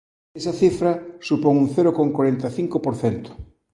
Esa cifra supón un cero con corenta cinco por cento.